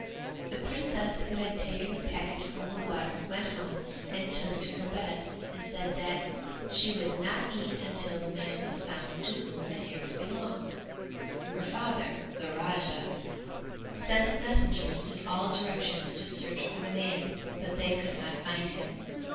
The princess who had taken the packet from the water went home and took to her bed and said that she would not eat until the man was found to whom the hairs belonged. Her father, the Raja, sent messengers in all directions to search for the man but they could not find him.